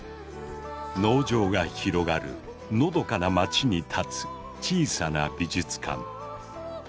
農場が広がるのどかな町に立つ小さな美術館。